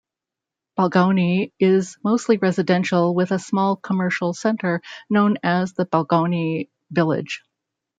Balgownie is mostly residential with a small commercial centre known as the Balgownie Village.